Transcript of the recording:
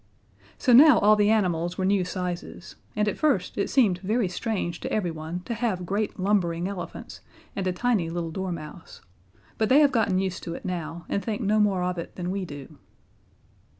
So now all the animals were new sizes and at first it seemed very strange to everyone to have great lumbering elephants and a tiny little dormouse, but they have gotten used to it now, and think no more of it than we do.